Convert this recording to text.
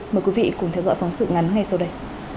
mời quý vị cùng theo dõi phóng sự ngắn ngay sau đây